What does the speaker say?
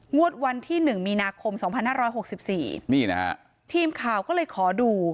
งบวันที่๑มีนาคม๒๕๖๔ทีมขาวก็เลยขอดู